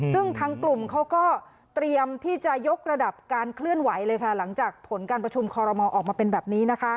ซึ่งทางกลุ่มเขาก็เตรียมที่จะยกระดับการเคลื่อนไหวเลยค่ะหลังจากผลการประชุมคอรมอลออกมาเป็นแบบนี้นะคะ